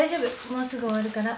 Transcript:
もうすぐ終わるから。